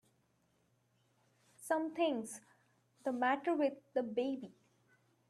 Something's the matter with the baby!